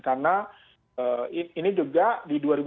karena ini juga di dua ribu sembilan belas